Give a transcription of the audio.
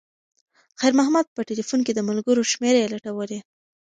خیر محمد په تلیفون کې د ملګرو شمېرې لټولې.